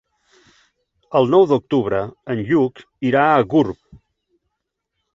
El nou d'octubre en Lluc irà a Gurb.